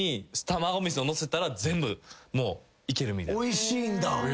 おいしいんだ？